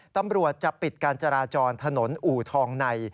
ตำรวจจะปิดการจราจรถนนอู่ทองใน